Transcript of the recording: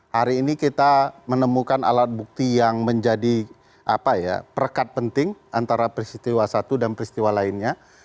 hari ini kita menemukan alat bukti yang menjadi perekat penting antara peristiwa satu dan peristiwa lainnya